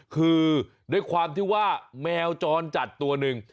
คือด้วยความที่ว่าแมวจรจัดตัวหนึ่ง